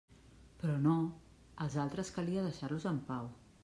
Però no, als altres calia deixar-los en pau.